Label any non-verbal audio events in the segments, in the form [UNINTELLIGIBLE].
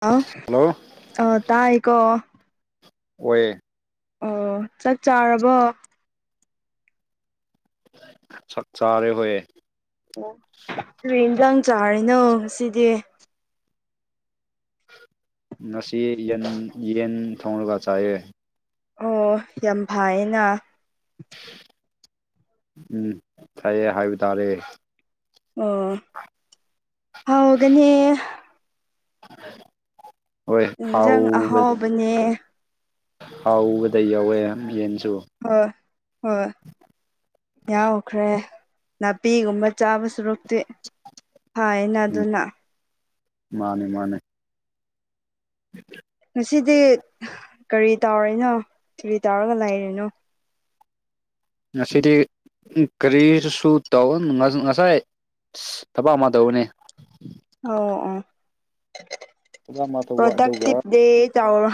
ꯍꯥ ꯍꯜꯂꯣ ꯑ ꯇꯥꯏꯀꯣ ꯑꯣꯏꯌꯦ ꯑꯣ ꯆꯛ ꯆꯥꯔꯕꯣ ꯁꯛꯆꯥꯔꯦ ꯍꯣꯏꯌꯦ ꯑꯣ ꯀꯔꯤ ꯍꯦꯟꯖꯥꯡ ꯆꯥꯔꯤꯅꯣ ꯉꯁꯤꯗꯤ ꯉꯁꯤ ꯌꯦꯟ ꯌꯦꯟ ꯊꯣꯡꯔꯒ ꯆꯥꯏꯌꯦ ꯑꯣ ꯌꯥꯝ ꯐꯥꯏꯌꯦꯅ ꯎꯝ ꯐꯩꯌꯦ ꯍꯥꯏꯕ ꯇꯥꯔꯦ ꯑꯣ ꯍꯥꯎꯒꯅꯦ ꯍꯣꯏ ꯏꯟꯖꯥꯡ ꯍꯥꯎꯕ ꯑꯍꯥꯎꯕꯅꯦ ꯍꯥꯎꯕꯗ ꯌꯥꯎꯋꯦ ꯌꯦꯟꯁꯨ ꯍꯣꯏ ꯍꯣꯏ ꯌꯥꯎꯈ꯭ꯔꯦ ꯅꯥꯄꯤꯒꯨꯝꯕ ꯆꯥꯕ ꯁꯔꯨꯛꯇꯤ ꯐꯩꯌꯦꯅ ꯎꯝ ꯑꯗꯨꯅ ꯃꯥꯅꯦ ꯃꯥꯅꯦ [UNINTELLIGIBLE] ꯑꯁꯤꯗꯤ ꯀꯔꯤ ꯇꯧꯔꯤꯅꯣ ꯀꯔꯤ ꯇꯧꯔꯒ ꯂꯩꯔꯤꯅꯣ ꯉꯁꯤꯗꯤ ꯀꯔꯤꯁꯨ ꯁꯨ ꯇꯧ ꯉ ꯉꯁꯥꯏ ꯁ ꯊꯕꯛ ꯑꯃ ꯇꯧꯕꯅꯦ ꯑꯧꯑꯣ ꯊꯕꯛ ꯑꯃ ꯇꯧꯕ ꯑꯗꯨꯒ ꯄ꯭ꯔꯣꯗꯛꯗꯤꯚ ꯗꯦ ꯇꯧꯔꯣ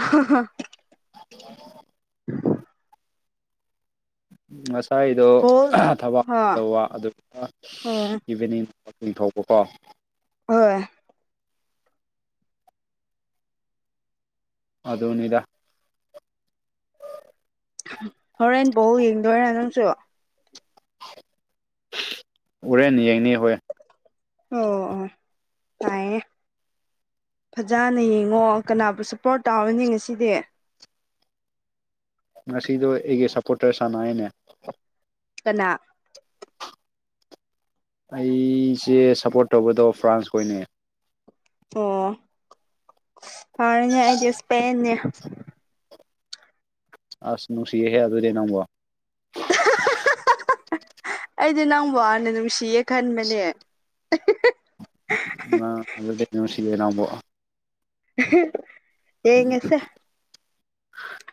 [UNINTELLIGIBLE] ꯎ ꯉꯁꯥꯏꯗꯣ ꯕꯣꯜ ꯊꯕꯛ ꯍꯥ ꯇꯧꯕ ꯑꯗꯨꯒ ꯎꯝ ꯏꯚꯤꯅꯤꯡ ꯀꯛꯆꯤꯡ ꯊꯧꯕꯀꯣ ꯍꯣꯏ ꯑꯗꯨꯅꯤꯗ ꯍꯣꯔꯦꯟ ꯕꯣꯜ ꯌꯦꯡꯗꯣꯏꯔ ꯅꯪꯁꯨ ꯍꯨꯔꯦꯟ ꯌꯦꯡꯅꯤ ꯍꯨꯔꯦꯟ ꯑꯣ ꯑꯣ ꯇꯥꯏꯌꯦ ꯐꯖꯅ ꯌꯦꯡꯉꯣ ꯀꯅꯥꯕꯨ ꯁꯞꯄꯣꯔꯠ ꯇꯧꯔꯅꯤ ꯉꯁꯤꯗꯤ ꯉꯁꯤꯗꯣ ꯑꯩꯒꯤ ꯁꯞꯄꯣꯔꯇꯔ ꯁꯥꯟꯅꯩꯌꯦꯅꯦ ꯀꯅꯥ ꯑꯩꯁꯦ ꯁꯞꯄꯣꯔꯠ ꯇꯧꯕꯗꯣ ꯐ꯭ꯔꯥꯟꯁꯈꯣꯏꯅꯦ ꯑꯣ ꯐꯥꯔꯦꯅꯦ ꯑꯩꯗꯤ ꯁ꯭ꯄꯦꯟꯅꯦ ꯑꯁ ꯅꯨꯡꯁꯤꯍꯦ ꯑꯗꯨꯗꯤ ꯅꯪꯕꯨ ꯑꯩꯗꯤ ꯅꯪꯕꯨ ꯍꯥꯟꯅ ꯅꯨꯡꯁꯤꯌꯦ ꯈꯟꯕꯅꯦ ꯑ ꯑꯗꯨ ꯅꯨꯡꯁꯤꯌꯦ ꯅꯪꯕꯣ [INAUDIBLE] ꯎꯝ ꯌꯦꯡꯉꯁꯦ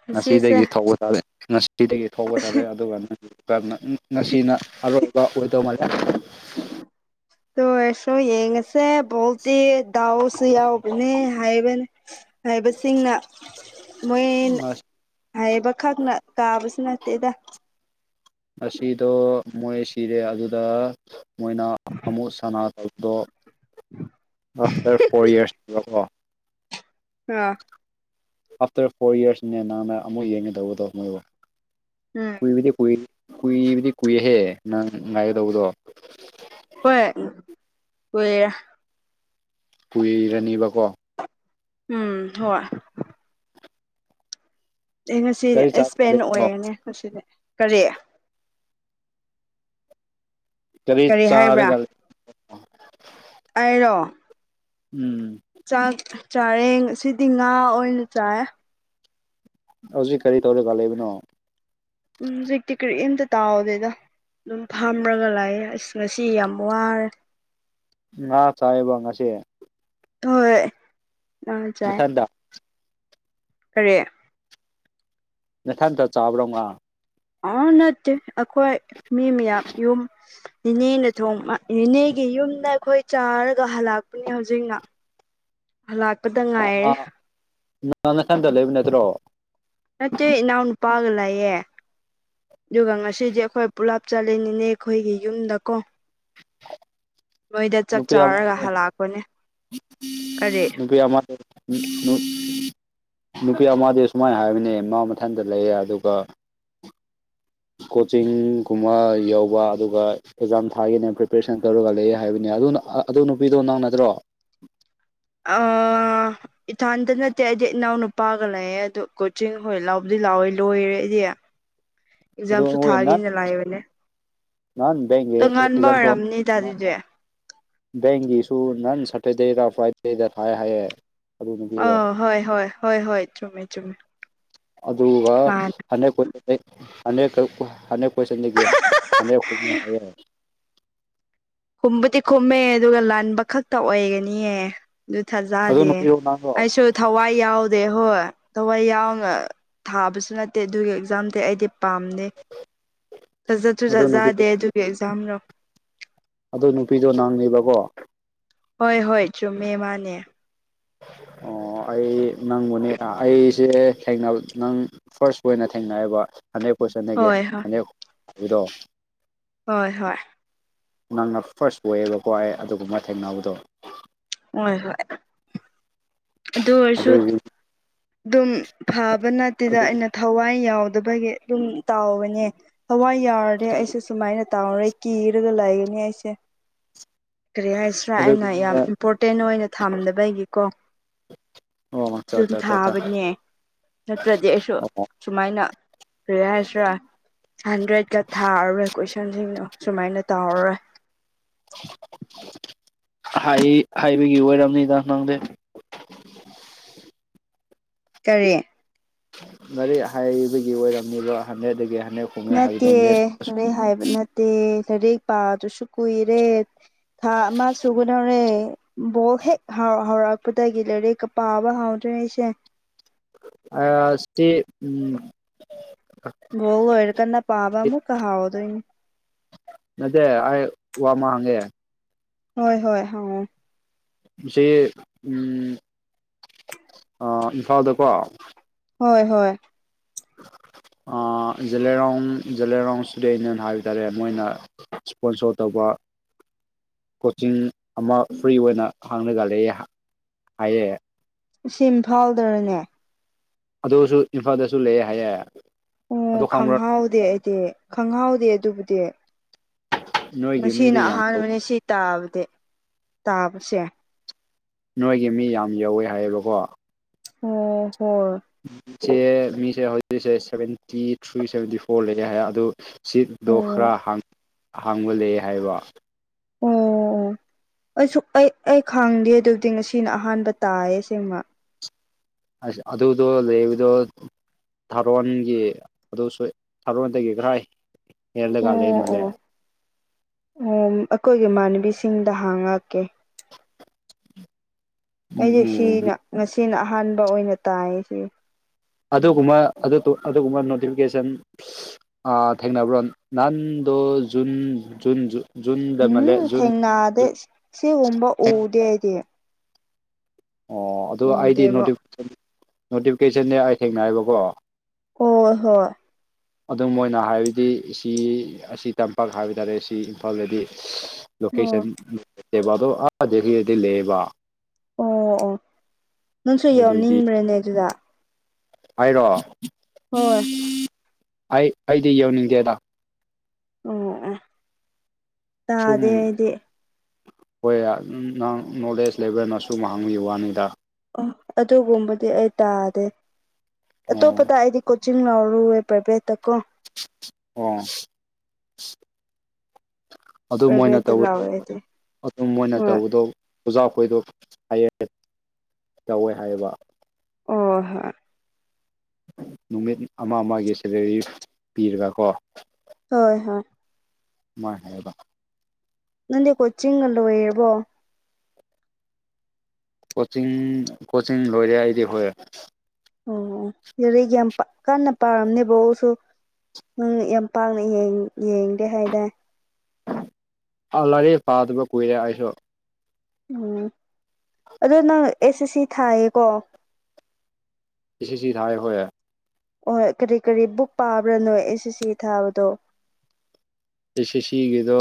ꯉꯁꯤꯁꯦ ꯉꯁꯤꯗꯒꯤ ꯊꯧꯕ ꯇꯥꯔꯦ ꯁꯤꯗꯒꯤ ꯊꯣꯛꯄ ꯇꯥꯔꯦ ꯑꯗꯨꯒ ꯅ ꯉꯁꯤꯅ ꯑꯔꯣꯏꯕ ꯑꯣꯏꯗꯧ ꯃꯥꯜꯂꯦ [UNINTELLIGIBLE] ꯇꯣ ꯑꯦꯁꯨ ꯌꯦꯡꯉꯁꯦ ꯕꯣꯜꯇꯤ ꯗꯥꯎꯁꯨ ꯌꯥꯎꯕꯅꯦ ꯍꯥꯏꯕꯅꯦ ꯍꯥꯏꯕꯁꯤꯡꯅ ꯃꯣꯏ ꯍꯥꯏꯕꯈꯛꯅ ꯀꯥꯕꯁꯨ ꯅꯠꯇꯦꯗ ꯑꯁꯤꯗꯣ ꯃꯣꯏ ꯁꯤꯔꯦ ꯑꯗꯨꯗ ꯃꯣꯏꯅ ꯑꯃꯨꯛ ꯁꯅꯥ ꯑꯗꯨꯗꯣ ꯑꯥ꯭ꯐꯇꯔ ꯐꯣꯔ ꯌꯔꯁꯇꯀꯣ ꯑ ꯑꯥ꯭ꯐꯇꯔ ꯐꯣꯔ ꯌꯔꯁꯅꯦ ꯅꯪꯅ ꯑꯃꯨꯛ ꯌꯦꯡꯒꯗꯧꯕꯗꯣ ꯃꯣꯏꯕꯨ ꯎꯝ ꯀꯨꯏꯕꯗꯤ ꯀꯨꯏ ꯀꯨꯏꯕꯗꯤ ꯀꯨꯏꯍꯦ ꯅꯪ ꯉꯥꯏꯒꯗꯧꯕꯗꯣ ꯍꯣꯏ ꯀꯨꯏꯔꯦ ꯀꯨꯏꯔꯅꯤꯕꯀꯣ ꯎꯝ ꯍꯣꯏ ꯑꯩ ꯉꯁꯤ ꯀꯔꯤ ꯆꯥꯔꯒ ꯑꯦꯁꯄꯦꯟ ꯂꯩꯕꯅꯣ ꯑꯣꯏꯔꯦꯅꯦ ꯉꯁꯤꯗꯤ ꯀꯔꯤ ꯀꯔꯤ ꯆꯔꯒ ꯑꯩꯔꯣ ꯎꯝ ꯆꯥꯛ ꯆꯥꯔꯦ ꯉꯁꯤꯗꯤ ꯉꯥ ꯑꯣꯏꯅ ꯆꯥꯑꯦ ꯍꯧꯖꯤꯛ ꯀꯔꯤ ꯇꯧꯔꯒ ꯂꯩꯕꯅꯣ ꯎꯝ ꯍꯧꯖꯤꯛꯇꯤ ꯀꯔꯤꯝꯇ ꯇꯥꯎꯗꯦꯗ ꯑꯗꯨꯝ ꯐꯥꯝꯔꯒ ꯂꯥꯛꯑꯦ ꯑꯁ ꯉꯁꯤ ꯌꯥꯝ ꯋꯥꯔꯦ ꯉ ꯆꯥꯏꯕ ꯉꯁꯤ ꯍꯣꯏ ꯉꯥ ꯆꯥꯏ ꯅꯊꯟꯗ ꯀꯔꯤ ꯅꯊꯟꯇ ꯆꯥꯕ꯭ꯔꯣ ꯉꯥ ꯑꯣ ꯅꯠꯇꯦ ꯑꯩꯈꯣꯏ ꯃꯤ ꯃꯌꯥꯝ ꯌꯨꯝ ꯅꯦꯅꯦꯅ ꯊꯣꯡꯕ ꯅꯦꯅꯦꯒꯤ ꯌꯨꯝꯗ ꯑꯩꯈꯣꯏ ꯆꯥꯔꯒ ꯍꯜꯂꯛꯄꯅꯦ ꯍꯧꯖꯤꯛꯅ ꯂꯥꯛꯄꯗ ꯉꯥꯏꯔꯦ ꯅꯪ ꯅꯊꯟꯇ ꯂꯩꯕ ꯅꯠꯇ꯭ꯔꯣ ꯅꯠꯇꯦ ꯏꯅꯥꯎ ꯅꯨꯄꯥꯒ ꯂꯩꯌꯦ ꯑꯗꯨꯒ ꯉꯁꯤꯗꯤ ꯑꯩꯈꯣꯏ ꯄꯨꯂꯞ ꯆꯠꯂꯤꯅꯤꯅꯦ ꯑꯩꯈꯣꯏꯒꯤ ꯌꯨꯝꯗꯀꯣ ꯅꯣꯏꯗ ꯆꯥꯛ ꯅꯨꯄꯤ ꯆꯥꯔꯒ ꯑꯃꯅꯦ ꯍꯜꯂꯛꯄꯅꯦ ꯀꯔꯤ ꯅꯨꯄꯤ ꯑꯃꯗ ꯅꯨꯄꯤ ꯑꯃꯗꯤ ꯁꯨꯃꯥꯏꯅ ꯍꯥꯏꯕꯅꯦ ꯃꯥ ꯃꯊꯟꯇ ꯂꯩꯌꯦ ꯑꯗꯨꯒ ꯀꯣꯆꯤꯡꯒꯨꯝꯕ ꯌꯧꯕ ꯑꯗꯨꯒ ꯑꯦꯛꯖꯥꯝ ꯊꯥꯒꯅꯦ ꯄ꯭ꯔꯤꯄꯦꯔꯦꯁꯟ ꯇꯧꯔꯒ ꯂꯩ ꯍꯥꯏꯕꯅꯤ ꯑꯗꯨꯅ ꯑꯗꯨ ꯅꯨꯄꯤꯗꯣ ꯅꯪ ꯅꯠꯗ꯭ꯔꯣ ꯑ ꯏꯊꯥꯟꯇ ꯅꯠꯇꯦ ꯑꯩꯗꯤ ꯏꯅꯥꯎ ꯅꯨꯄꯥꯒ ꯂꯩꯌꯦ ꯑꯗꯨ ꯀꯣꯆꯤꯡ ꯍꯣꯏ ꯂꯥꯎꯗꯤ ꯂꯥꯎꯋꯦ ꯂꯣꯏꯔꯦ ꯑꯩꯗꯤ ꯑꯗꯣ ꯑꯦꯛꯖꯥꯝꯁꯨ ꯍꯣꯏ ꯅꯍꯥꯟ ꯊꯥꯒꯦꯅ ꯂꯥꯏꯕꯅꯦ ꯅꯍꯥꯟ ꯕꯦꯡꯒꯤ ꯇꯣꯉꯥꯟꯕ ꯑꯦꯛꯖꯥꯝꯁꯨ ꯑꯣꯏꯔꯝꯅꯤꯗ ꯑꯗꯨꯗꯤ ꯕꯦꯡꯒꯤꯁꯨ ꯅꯪ ꯁꯇꯔꯗꯦꯗ ꯐ꯭ꯔꯥꯏꯗꯦꯗ ꯊꯥꯏ ꯍꯥꯏꯌꯦ ꯑꯗꯨ ꯑ ꯅꯨꯄꯤꯗꯣ ꯍꯣꯏ ꯍꯣꯏ ꯍꯣꯏ ꯍꯣꯏ ꯆꯨꯝꯃꯦ ꯆꯨꯝꯃꯦ ꯑꯗꯨꯒ [UNINTELLIGIBLE] ꯃꯥꯅꯦ ꯑꯩꯈꯣꯏ ꯆꯠꯂꯤꯒꯦ ꯍꯟꯗꯦꯛ ꯍꯣꯡꯅ ꯍꯥꯏꯌꯦ ꯈꯨꯝꯕꯨꯗꯤ ꯈꯨꯝꯃꯦ ꯑꯗꯨꯒ ꯂꯥꯟꯕ ꯈꯛꯇ ꯑꯣꯏꯒꯅꯤꯌꯦ ꯑꯗꯨ ꯑꯗꯨ ꯊꯥꯖꯗꯦ ꯅꯨꯄꯤꯔꯣ ꯅꯪꯔꯣ ꯑꯩꯁꯨ ꯊꯋꯥꯏ ꯌꯥꯎꯗꯦ ꯍꯣꯏ ꯊꯋꯥꯏ ꯌꯥꯎꯅ ꯊꯥꯕꯁꯨ ꯅꯠꯇꯦ ꯑꯗꯨꯒꯤ ꯑꯦꯛꯖꯥꯝꯗꯤ ꯑꯩꯗꯤ ꯄꯥꯝꯗꯦ ꯑꯗꯨ ꯅꯨꯄꯤꯗꯣ ꯁꯖꯠꯖꯗꯦ ꯑꯗꯨꯒꯤ ꯑꯦꯛꯖꯥꯝꯔꯣ ꯑꯗꯨ ꯅꯨꯄꯤꯗꯣ ꯅꯪꯅꯦꯕꯀꯣ ꯍꯣꯏ ꯍꯣꯏ ꯆꯨꯝꯃꯦ ꯃꯥꯅꯦ ꯑꯣ ꯑꯩ ꯅꯪꯕꯨꯅꯦ ꯑꯩꯁꯦ ꯊꯦꯡꯅꯕ ꯅꯪ ꯐꯥꯔꯁ ꯄꯣꯏ ꯑꯣꯏꯅ ꯊꯦꯡꯅꯑꯌꯦꯕ ꯍꯟꯗ꯭ꯔꯦꯠ ꯍꯣꯏ ꯍꯣꯏ [UNINTELLIGIBLE] ꯍꯣꯏ ꯍꯣꯏ ꯅꯪꯅ ꯐꯥꯔꯁ ꯑꯣꯏꯌꯦꯕꯀꯣ ꯑꯩ ꯑꯗꯨꯒꯨꯝꯕ ꯊꯦꯡꯅꯕꯗꯣ ꯍꯣꯏ ꯍꯣꯏ ꯑꯗꯨ ꯑꯣꯏꯔꯁꯨ ꯑꯗꯨꯒꯤ ꯑꯗꯨꯝ ꯐꯕ ꯅꯠꯇꯦꯗ ꯑꯗꯨꯒꯤ ꯑꯩꯅ ꯊꯋꯥꯏ ꯌꯥꯎꯗꯕꯒꯤ ꯑꯗꯨꯝ ꯇꯥꯎꯕꯅꯦ ꯊꯋꯥꯏ ꯌꯥꯎꯔꯗꯤ ꯑꯩꯁꯨ ꯁꯨꯃꯥꯏꯅ ꯇꯧꫪꯦ ꯀꯤꯔꯒ ꯂꯩꯒꯅꯤ ꯑꯩꯁꯦ ꯀꯔꯤ ꯍꯥꯏꯁꯤꯔꯥ ꯑꯩꯅ ꯑꯗꯨꯒꯤꯅꯤꯗ ꯌꯥꯝ ꯏꯝꯄꯣꯔꯇꯦꯟ ꯑꯣꯏꯅ ꯊꯝꯗꯕ ꯒꯤꯀꯣ ꯑꯣ ꯑꯠꯆꯥ ꯑꯗꯨꯝ ꯑꯠꯆꯥ ꯑꯠꯆꯥ ꯑꯠꯆꯥ ꯊꯥꯕꯅꯦ ꯅꯠꯇ꯭ꯔꯗꯤ ꯑꯩꯁꯨ ꯑꯣ ꯁꯨꯃꯥꯏꯅ ꯀꯔꯤ ꯍꯥꯏꯁꯤꯔꯥ ꯍꯟꯗ꯭ꯔꯦꯗꯀ ꯊꯥꯔꯨꯔꯦ ꯀꯣꯏꯁꯟꯁꯤꯡꯗꯣ ꯁꯨꯃꯥꯏꯅ ꯇꯧꯔꯔꯣꯏ ꯑꯍꯥꯏ ꯍꯥꯏꯕꯒꯤ ꯑꯣꯏꯔꯝꯅꯤꯗ ꯅꯪꯗꯤ ꯇꯔꯦꯠ ꯃꯔꯤꯛ ꯍꯥꯏꯕꯒꯤ ꯑꯣꯏꯔꯝꯃꯤꯕ ꯍꯟꯗ꯭ꯔꯦꯠꯗꯒꯤ ꯍꯟꯗꯦꯛ ꯅꯠꯇꯦ ꯂꯥꯏꯔꯤꯛ ꯍꯥꯏꯕ ꯅꯠꯇꯦ ꯂꯥꯏꯔꯤꯛ ꯄꯥꯗꯨꯁꯨ ꯀꯨꯏꯔꯦ ꯊꯥ ꯑꯃ ꯁꯨꯒꯗꯧꯔꯦ ꯕꯣꯜ ꯍꯦꯛ ꯍꯧꯎꯔꯛꯄꯗꯒꯤ ꯂꯥꯏꯔꯛꯀ ꯄꯥꯕ ꯍꯥꯎꯗ꯭ꯔꯦ ꯑꯩꯁꯦ ꯑ ꯁꯤ ꯎꯝ ꯍꯣ ꯑꯣꯏꯔ ꯀꯅꯥ ꯄꯥꯕ ꯑꯃꯨ ꯀ ꯍꯥꯎꯗꯣꯏꯅꯤ ꯅꯠꯇꯦ ꯑ ꯋꯥꯃ ꯍꯪꯒꯦ ꯍꯣꯏ ꯍꯣꯏ ꯍꯥꯎ ꯁꯤ ꯏꯝꯐꯥꯜꯗꯀꯣ ꯍꯣꯏ ꯍꯣꯏ ꯖꯂꯦꯔꯥꯎ ꯖꯂꯦꯔꯥꯎ ꯁꯇꯨꯗꯦꯟꯅꯤꯟ ꯍꯥꯏꯕ ꯇꯥꯔꯦ ꯃꯣꯏꯅ ꯏꯁꯄꯣꯟꯁꯣ ꯇꯧꯕ ꯀꯣꯆꯤꯡ ꯑꯃ ꯐ꯭ꯔꯤ ꯑꯣꯏꯅ ꯍꯥꯡꯅꯒꯂꯑꯦ ꯍꯥꯏꯔꯦ ꯁꯤ ꯏꯝꯐꯥꯜꯗꯅꯦ ꯑꯗꯨꯁꯨ ꯏꯝꯐꯥꯜꯗꯁꯨ ꯂꯩꯌꯦ ꯍꯥꯏꯌꯦꯦ ꯑꯣ ꯈꯪꯍꯥꯎꯗꯦ ꯑꯩꯗꯤ ꯈꯪꯍꯥꯎꯗꯦ ꯑꯗꯨꯕꯨꯗꯤ ꯅꯣꯏꯒꯤ ꯉꯁꯤꯅ ꯃꯤꯗꯤ ꯌꯥꯝ ꯑꯍꯥꯟꯕꯅꯦ ꯁꯤ ꯇꯥꯕꯗꯤ ꯇꯥꯕꯁꯦ ꯅꯣꯏꯒꯤ ꯃꯤ ꯌꯥꯝ ꯌꯧꯋꯦ ꯍꯥꯏꯌꯦꯕꯀꯣ ꯍ ꯍꯣꯏ ꯃꯤꯁꯦ ꯃꯤꯁꯦ ꯍꯧꯖꯤꯛꯁꯦ ꯁꯦꯚꯦꯟꯇꯤ ꯊ꯭ꯔꯤ ꯁꯚꯦꯟꯇꯤ ꯐꯣꯔ ꯂꯩꯌꯦ ꯍꯥꯏ ꯑꯗꯨ ꯁꯤꯠꯇꯠꯇꯣ ꯑꯣ ꯈꯔ ꯍꯥꯡꯕꯂꯦ ꯍꯥꯏꯕ ꯑꯣ ꯑꯣ ꯑꯩꯁꯨ ꯑꯩ ꯑꯩ ꯈꯪꯗꯦ ꯑꯗꯨꯕꯨꯗꯤ ꯉꯁꯤꯅ ꯑꯍꯥꯟꯕ ꯇꯥꯏꯌꯦ ꯁꯤꯃ ꯑꯁ ꯑꯗꯨꯗꯣ ꯂꯩꯗꯣ ꯊꯥꯔꯣꯟꯒꯤ ꯑꯗꯨꯁꯨ ꯊꯥꯔꯣꯟꯗꯒꯤ ꯈꯔ ꯑꯩ ꯑꯣ ꯑꯣ ꯑꯣ ꯑꯩꯈꯣꯏꯒꯤ ꯏꯃꯥꯟꯅꯕꯤꯁꯤꯡꯗ ꯍꯥꯡꯉꯛꯀꯦ ꯑꯩꯁꯦ ꯁꯤꯅ ꯉꯁꯤꯅ ꯑꯍꯥꯟꯕ ꯑꯣꯏꯅ ꯇꯥꯏ ꯁꯤ ꯑꯗꯨꯒꯨꯝꯕ ꯑꯗꯨꯒꯨꯝꯕ ꯅꯣꯇꯤꯐꯤꯀꯦꯁꯟ ꯑ ꯊꯦꯡꯅꯕ꯭ꯔꯣ ꯅꯟꯗꯨ ꯖꯨꯟ ꯖꯨꯟ ꯖꯨ ꯖꯨꯟꯗ ꯃꯂꯦ ꯎꯝ ꯖꯨꯟꯟ ꯊꯦꯡꯅꯗꯦ ꯁꯤꯒꯨꯝꯕ ꯎꯗꯦ ꯑꯩꯗꯤ ꯑꯣ ꯑꯗꯨ ꯑꯩꯗꯤ ꯎꯗꯦꯕ ꯅꯣꯇꯤꯐꯤꯀꯦꯁꯟꯗꯤ ꯑꯩ ꯊꯦꯡꯅꯕꯀꯣ ꯑꯣ ꯍꯣꯏ ꯑꯗꯨꯝ ꯃꯣꯏꯅ ꯍꯥꯏꯕꯗꯤ ꯁꯤ ꯑꯁꯤ ꯇꯝꯄꯥꯛ ꯍꯥꯏꯕ ꯇꯥꯔꯦ ꯁꯤ ꯏꯝꯐꯥꯜꯗꯗꯤ ꯂꯣꯀꯦꯁꯟ ꯑꯣ ꯕꯗꯣ ꯑꯥ ꯍꯧꯔꯗꯤ ꯂꯩꯌꯦꯕ ꯑꯣ ꯑꯣ ꯅꯪꯁꯨ ꯑꯗꯨꯒꯤ ꯌꯥꯎꯅꯤꯡꯕ꯭ꯔꯦꯅꯦ ꯑꯗꯨꯗ ꯍꯥꯏꯔꯣ ꯍꯣꯏ ꯑꯩ ꯑꯩꯗꯤ ꯌꯧꯅꯤꯡꯗꯦꯗ ꯑꯣ ꯁꯨꯝ ꯇꯥꯗꯦ ꯑꯩꯗꯤ ꯍꯣꯏ ꯅꯪ ꯅꯣꯂꯦꯖ ꯂꯩꯕꯦꯜꯅ ꯁꯨꯝ ꯍꯪꯉ ꯋꯥꯅꯤꯗ ꯑꯣ ꯑꯗꯨꯒꯨꯝꯕꯗꯤ ꯑꯩ ꯇꯥꯗꯦ ꯑꯣ ꯑꯇꯣꯞꯄꯗ ꯑꯩꯗꯤ ꯆꯤꯡ ꯂꯥꯎꯔꯨ ꯄ꯭ꯔꯥꯏꯚꯦꯠꯇ ꯀꯣ ꯑꯣ ꯑꯗꯨ ꯃꯣꯢꯅ ꯄ꯭ꯔꯥꯏꯚꯦꯠꯇ ꯇꯧꯕꯗꯣ ꯂꯧꯋꯦ ꯑꯩꯗꯤ ꯑꯗꯨꯝ ꯃꯣꯏꯅ ꯍꯣꯏ ꯇꯧꯕꯗꯣ ꯑꯣꯖꯥ ꯑꯩꯈꯣꯏꯗꯣ ꯍꯥꯏꯌꯦꯡ ꯇꯧꯋꯦ ꯍꯥꯏꯌꯦꯕ ꯑꯣ ꯍꯣꯏ ꯅꯨꯃꯤꯠ ꯑꯃ ꯑꯃꯒꯤ ꯁꯦꯂꯔꯤ ꯄꯤꯔꯤꯕ ꯀꯣ ꯍꯣꯏ ꯍꯣꯏ ꯃꯣꯏ ꯍꯥꯏꯌꯦꯕ ꯅꯗꯤꯦ ꯀꯣꯆꯤꯡ ꯂꯣ ꯑꯣꯏꯔꯕꯔꯕꯣ ꯀꯣꯆꯤꯡ ꯀꯣꯆꯤꯡ ꯂꯣꯏꯔꯦ ꯑꯩꯗꯤ ꯍꯣꯏ ꯑꯣ ꯑꯗꯨꯩꯒ ꯌꯥꯝ ꯀꯟꯅ ꯄꯥꯔꯝꯅꯦꯕꯁꯨ ꯅꯪ ꯌꯥꯝ ꯄꯥꯛꯅ ꯌꯦꯡꯗꯦ ꯍꯥꯏꯇꯥꯔꯦ ꯑꯥ ꯂꯥꯏꯔꯤ ꯄꯥꯗꯕ ꯀꯨꯏꯔꯦ ꯑꯩꯁꯨ ꯎꯝ ꯑꯗꯣ ꯅꯪ ꯑꯦꯁ ꯑꯦꯁ ꯁꯤ ꯊꯥꯏꯌꯦꯀꯣ ꯁꯤꯁꯤ ꯆ ꯊꯥꯑ ꯍꯌꯦꯦ ꯑꯣꯏ ꯀꯔꯤ ꯀꯔꯤ ꯕꯨꯛ ꯄꯥꯕ꯭ꯔꯅꯣ ꯑꯦꯁ ꯑꯦꯁ ꯁꯤ ꯊꯥꯕꯗꯣ ꯑꯦꯁ ꯑꯥꯦꯁꯁꯤꯒꯤꯗꯣ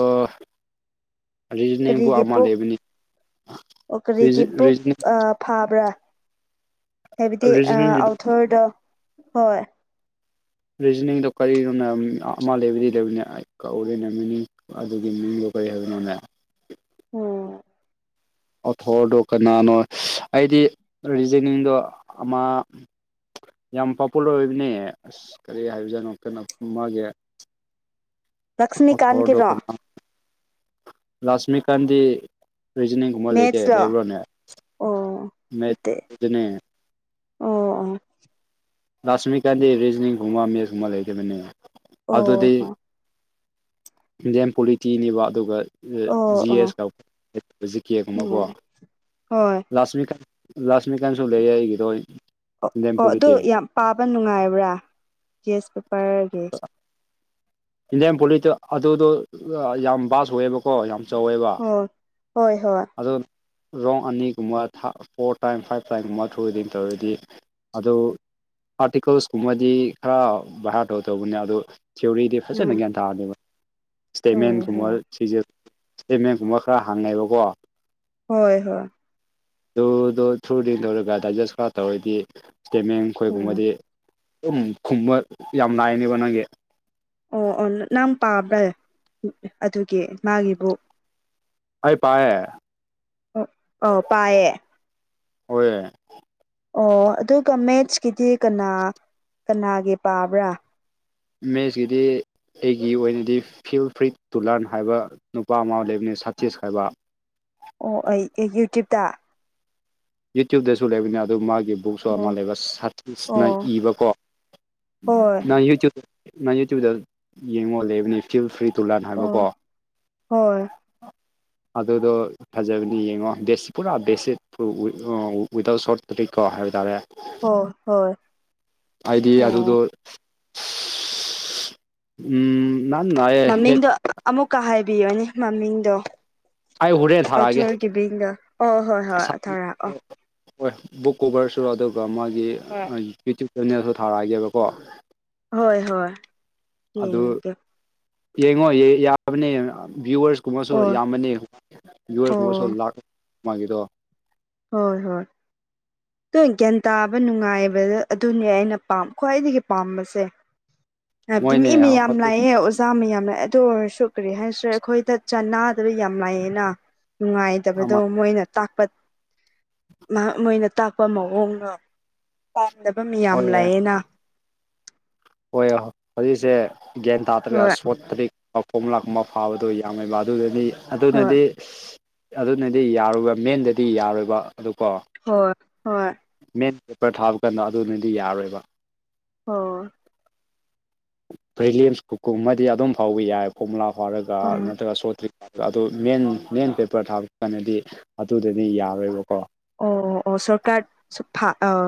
ꯔꯤꯖꯅꯤꯡꯕꯨ ꯀꯔꯤꯒꯤ ꯑꯃ ꯕꯨꯛ ꯂꯩꯕꯅꯤ ꯀꯔꯤꯒꯤ ꯕꯨꯛ ꯑꯥ ꯐꯥꯕ꯭ꯔꯥ ꯍꯥꯏꯕꯗꯤ ꯔꯤꯖꯅꯤꯡꯒꯤꯗꯣ ꯑꯥꯎꯊꯔꯗꯣ ꯍꯣꯏ ꯔꯤꯖꯅꯤꯡꯗꯣ ꯀꯔꯤꯅꯣꯅ ꯑꯃ ꯂꯩꯕꯗꯤ ꯂꯩꯕꯅꯤ ꯑꯩ ꯀꯥꯎꯔꯦꯅꯦ ꯃꯤꯅꯤꯡ ꯑꯗꯨꯒꯤ ꯃꯤꯡꯗꯣ ꯀꯔꯤ ꯍꯥꯏꯕꯅꯣꯅꯦ ꯑꯣ ꯑꯣꯊꯣꯔꯗꯣ ꯀꯅꯥꯅꯣ ꯑꯩꯗꯤ ꯔꯤꯖꯅꯤꯡꯗꯣ ꯑꯃ ꯌꯥꯝ ꯄꯣꯄꯨꯂꯔ ꯑꯣꯏꯕꯅꯦ ꯑꯁ ꯀꯔꯤ ꯍꯥꯏꯕꯖꯥꯠꯅꯣ ꯀꯩꯅꯣꯃꯥꯒꯤ ꯑꯣꯊꯔꯗꯣꯛ ꯂꯛꯁꯃꯤꯀꯥꯟꯒꯤꯔꯣ ꯂꯁꯃꯤ ꯀꯥꯟꯗꯤ ꯔꯤꯖꯅꯤꯡꯒꯨꯝꯕ ꯂꯩꯇꯦ ꯃꯦꯠꯁꯂꯣ ꯂꯩꯕ꯭ꯔꯣꯅꯦ ꯑꯣ ꯅꯠꯇꯦ ꯑꯣ ꯂꯛꯁꯃꯤꯀꯥꯟꯗꯤ ꯔꯤꯖꯤꯅꯤꯡ ꯒꯨꯝꯃ ꯃꯦꯁ ꯈꯨꯝꯕ ꯂ ꯂꯩꯗꯦꯅꯤ ꯑꯗꯨꯗꯤ ꯑꯣ ꯏꯟꯗꯤꯌꯝ ꯄꯣꯂꯤꯇꯤꯅꯦꯕ ꯑꯗꯨꯒ ꯑꯣ ꯖꯤ ꯑꯣ ꯑꯦꯁ ꯎꯝ [UNINTELLIGIBLE] ꯍꯣꯏ ꯂꯥꯁꯃꯤꯛ ꯀꯥꯏꯝꯁꯨ ꯂꯩꯌꯦ ꯑꯩꯒꯤꯗꯣ ꯑꯣ ꯏꯟꯗꯤꯌꯟ ꯑꯣ ꯑꯗꯨ ꯄꯣꯂꯤꯇꯦ ꯌꯥꯝ ꯄꯥꯕ ꯅꯨꯡꯉꯥꯏꯕ꯭ꯔꯥ ꯒꯁ ꯀꯨꯄꯔꯒꯤ ꯏꯟꯗꯤꯌꯥꯟ ꯄꯣꯂꯤꯇꯤ ꯑꯗꯨꯗꯣ ꯌꯥꯝ ꯕꯥꯁ ꯑꯣꯏꯌꯦꯕ ꯀꯣ ꯌꯥꯝ ꯆꯥꯎꯋꯦꯕ ꯍꯣꯏ ꯍꯣꯏ ꯍꯣꯏ ꯑꯗꯣ ꯔꯣꯡ ꯑꯅꯤꯒꯨꯝꯕ ꯐꯣꯔ ꯇꯥꯏꯝ ꯐꯥꯏꯚ ꯇꯥꯏꯝꯒꯨꯝꯕ ꯊ꯭ꯔꯨꯗꯡ ꯇꯧꯔꯗꯤ ꯑꯗꯨ ꯑꯥꯔꯇꯤꯀꯜꯁꯀꯨꯝꯕꯗꯤ ꯈꯔ ꯚꯔꯥꯠ ꯇꯧ ꯇꯧꯕꯅꯦ ꯑꯗꯨ ꯊꯤꯑꯣꯔꯤꯗꯤ ꯐꯖꯅ ꯎꯝ ꯒ꯭ꯌꯥꯟ ꯇꯥꯗꯦꯕ ꯑꯣ ꯏꯁꯇꯦꯃꯦꯟ ꯍꯣꯏ ꯀꯨꯝꯕꯔ ꯁꯤꯁꯦ ꯁꯇꯦꯠꯃꯦꯟꯒꯨꯝꯕ ꯈꯔ ꯍꯥꯡꯉꯩꯑꯕꯀꯣ ꯍꯣꯏ ꯍꯣꯏ ꯇꯨꯗꯣ ꯊ꯭ꯔꯨꯗꯤꯦꯟ ꯇꯧꯔꯒ ꯗꯥꯏꯖꯦꯁ ꯈꯔ ꯇꯧꯔꯗꯤ ꯏꯁꯇꯦꯃꯤꯡ ꯑꯣ ꯑꯩꯈꯣꯏꯒꯨꯝꯕꯗꯤ ꯑꯗꯨꯝ ꯈꯨꯝꯕ ꯌꯥꯝ ꯂꯥꯏꯅꯦꯕ ꯅꯪꯒꯤ ꯑꯣ ꯑꯣ ꯅꯪ ꯄꯥꯕ꯭ꯔꯥ ꯑꯗꯨꯒꯤ ꯃꯥꯒꯤꯕꯨꯛ ꯑꯩ ꯄꯥꯏ ꯑꯣ ꯑꯣ ꯄꯥꯌꯦ ꯍꯣꯏ ꯑꯣ ꯑꯗꯨꯒ ꯃꯦꯠꯁꯀꯤꯗꯤ ꯀꯅꯥ ꯀꯅꯥꯒꯤ ꯄꯥꯕ꯭ꯔꯥ ꯫ ꯃꯦꯁꯤ ꯗꯤ ꯑꯩꯒꯤ ꯑꯣꯏꯅꯗꯤ ꯐꯤꯜ ꯐ꯭ꯔꯤ ꯇꯨꯂꯥꯟ ꯍꯥꯏꯕ ꯅꯨꯄꯥ ꯑꯃ ꯂꯩꯕꯅꯤ ꯁꯇꯤꯁ ꯍꯥꯏꯕ ꯑꯣ ꯑꯩ ꯑꯦ ꯌꯨꯇ꯭ꯌꯨꯕꯇ ꯌꯨꯇ꯭ꯌꯨꯕꯇꯁꯨ ꯂꯩꯕꯅꯤ ꯑꯗꯨ ꯃꯥꯒꯤ ꯕꯨꯛ ꯁꯣ ꯑꯃ ꯑꯣ ꯂꯩꯕ ꯁꯥꯇꯤꯁꯅ ꯑꯣ ꯏꯕꯀꯣ ꯍꯣꯏ ꯅꯪ ꯌꯨꯇꯌꯨꯕ ꯅꯪ ꯌꯨꯇ꯭ꯌꯨꯕꯇ ꯌꯦꯡꯉꯣ ꯂꯩꯕꯅꯦ ꯐꯤꯜ ꯐ꯭ꯔꯤ ꯇꯨꯂꯥꯟ ꯍꯥꯏꯕꯀꯣ ꯑꯣ ꯍꯣꯏ ꯑꯗꯨꯗꯣ ꯐꯖꯕꯅꯤ ꯌꯦꯡꯉꯣ ꯕ‌ꯦꯁ ꯄꯨꯔꯥ ꯕꯦꯁꯤꯠ ꯑꯣ ꯋꯤꯗꯥꯎꯠ ꯁꯣꯔꯠꯇ ꯀꯔꯤꯀꯣ ꯍꯥꯏꯕ ꯇꯥꯔꯦ ꯑꯣ ꯍꯣꯏ ꯍꯥꯏꯗꯤ ꯑꯣ ꯑꯗꯨꯗꯣ ꯎꯝ ꯅꯪꯅ ꯃꯃꯤꯡꯗꯣ ꯑꯃꯨꯛꯀ ꯍꯥꯏꯕꯤꯌꯣꯅꯦ ꯃꯃꯤꯡꯗꯣ ꯑꯩ ꯍꯣꯔꯦꯟ ꯊꯥꯔꯛꯑꯒꯦ ꯑꯧꯊꯣꯔꯒꯤ [UNINTELLIGIBLE] ꯍꯣꯏ ꯕꯨꯛ ꯀꯣꯚꯔꯁꯨ ꯑꯗꯨꯒ ꯃꯥꯒꯤ ꯍꯣꯏ ꯌꯨꯇ꯭ꯌꯨꯞ ꯆꯦꯅꯦꯜꯁꯨ ꯊꯔꯛꯑꯒꯦꯕꯀꯣ ꯍꯣꯏ ꯍꯣꯏ ꯑꯗꯨ ꯌꯦꯡꯒꯦ ꯌꯦꯡꯉꯣ ꯌꯥꯕꯅꯦ ꯚꯤꯌꯨꯋꯔꯁ ꯀꯨꯝꯕꯁꯨ ꯑꯣ ꯌꯥꯝꯃꯅꯤ ꯚꯤꯌꯨꯔꯀꯨꯝꯕꯁꯨ ꯑꯣ ꯂꯥꯛ ꯃꯥꯒꯤꯗꯣ ꯍꯣꯏ ꯍꯣꯏ ꯅꯣꯏ ꯒ꯭ꯌꯥꯟ ꯇꯥꯕ ꯅꯨꯡꯉꯥꯏꯕꯗ ꯑꯗꯨꯅꯦ ꯑꯩꯅ ꯄꯥ ꯈ꯭ꯋꯥꯏꯗꯒꯤ ꯄꯥꯝꯕꯁꯦ ꯍꯥꯏꯕꯗꯤ ꯃꯣꯏꯅꯦ ꯃꯤ ꯃꯌꯥꯝ ꯍꯧꯖꯤꯛ ꯂꯥꯛꯑꯦ ꯆꯥꯝꯃ ꯌꯥꯝ ꯂꯥꯛꯑꯦ ꯑꯗꯨ ꯑꯣꯏꯔꯁꯨ ꯀꯔꯤ ꯍꯥꯏꯁꯤꯔꯦ ꯑꯩꯈꯣꯏꯗ ꯆꯅꯥꯗꯔꯗꯤ ꯌꯥꯝ ꯂꯥꯛꯑꯦꯅ ꯅꯨꯡꯉꯥꯏ ꯇꯕꯗꯣ ꯑꯃ ꯃꯣꯏꯅ ꯇꯥꯛ ꯃꯣꯏꯅ ꯇꯥꯛꯄ ꯃꯑꯣꯡꯗꯣ ꯄꯥꯝꯗꯕ ꯃꯤꯌꯥꯝ ꯍꯣꯏ ꯂꯩꯥꯌꯦꯅ ꯍꯣꯏ ꯍꯧꯖꯤꯛꯁꯦ ꯒ꯭ꯌꯥꯟ ꯇꯥꯗ꯭ꯔꯒ ꯍꯣꯏ ꯁꯣꯠꯇꯔꯤꯛ ꯀꯣꯝ ꯂꯥꯛ ꯑꯃ ꯐꯥꯕꯗꯣ ꯌꯥꯝꯃꯦꯕ ꯑꯗꯨꯗꯅꯤ ꯍꯣꯏ ꯑꯗꯨꯅꯗꯤ ꯏꯁꯁ ꯑꯗꯨꯅꯗꯤ ꯌꯥꯔꯣꯏꯕ ꯃꯦꯟꯗꯗꯤ ꯌꯥꯔꯣꯏꯕ ꯑꯗꯨ ꯀꯣ ꯍꯣꯏ ꯍꯣꯏ ꯃꯦꯟ ꯄꯦꯄꯔ ꯊꯥꯕ ꯀꯥꯟꯗ ꯑꯗꯨꯅꯗꯤ ꯌꯥꯔꯣꯏꯕ ꯑꯣ ꯄꯔ‌ꯦꯂꯤꯝꯁ ꯀꯨꯀꯨꯝꯕꯗꯤ ꯑꯗꯨꯝ ꯐꯥꯎꯕ ꯌꯥꯏ ꯀꯣꯃꯨꯂꯥ ꯐꯥꯎꯔꯒ ꯑꯣ ꯅꯠꯇ꯭ꯔꯒ ꯁꯣꯇ꯭ꯔꯤꯛ ꯑꯗꯨ ꯃꯦꯟ ꯃꯦꯟ ꯄꯦꯄꯔ ꯊꯥꯕ ꯀꯥꯟꯗꯗꯤ ꯑꯗꯨꯗꯗꯤ ꯌꯥꯔꯣꯏꯕꯀꯣ ꯑꯣ ꯑꯣ ꯑꯣ ꯁꯔꯀꯔꯥꯞ ꯁꯨꯞꯄ ꯑꯣ